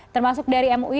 termasuk dari mui